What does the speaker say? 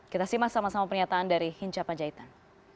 kita simak sama sama pernyataan dari hincapan jaitan